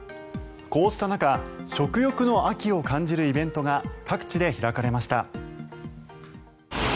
こうした中食欲の秋を感じるイベントが各地で開かれました。